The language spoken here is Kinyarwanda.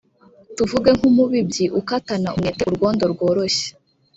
Tuvuge nk’umubumbyi ukatana umwete urwondo rworoshye,